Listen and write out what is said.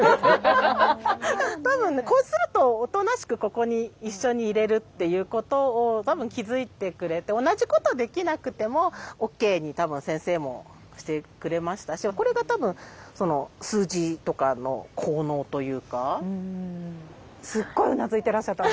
多分ねこうするとおとなしくここに一緒にいれるっていうことを多分気付いてくれて同じことをできなくてもＯＫに多分先生もしてくれましたしこれが多分すっごいうなずいてらっしゃった。